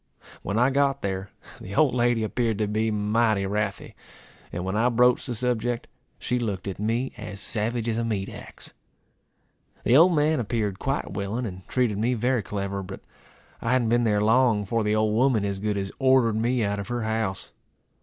When I got there, the old lady appeared to be mighty wrathy; and when I broached the subject, she looked at me as savage as a meat axe. The old man appeared quite willing, and treated me very clever. But I hadn't been there long, before the old woman as good as ordered me out of her house.